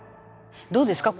どうですか？